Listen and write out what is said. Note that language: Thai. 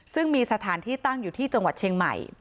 ซึ่งมีสถานที่ตั้งอยู่ที่จังหวัดเชียงใหม่